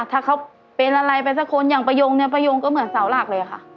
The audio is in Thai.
ถ้าเขาเป็นอะไรไปซะคนอย่างประยงก็เหมือนเสารักเลยค่ะ